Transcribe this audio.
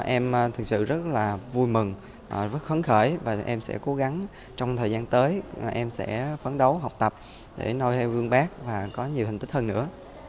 em thật sự rất vui mừng rất khấn khởi và em sẽ cố gắng trong thời gian tới em sẽ phấn đấu học tập để nôi theo vương bác và có nhiều hành tích hơn nữa